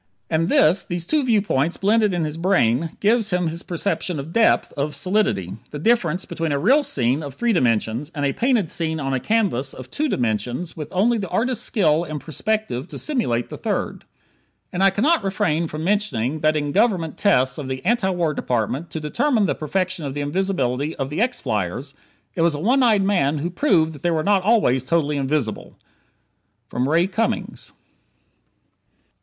And this these two viewpoints blended in his brain gives him his perception of "depth," of "solidity" the difference between a real scene of three dimensions and a painted scene on a canvas of two dimensions with only the artist's skill in perspective to simulate the third. And I cannot refrain from mentioning that in Government tests of the Anti War Department to determine the perfection of the invisibility of the X flyers, it was a one eyed man who proved that they were not always totally invisible! Ray Cummings.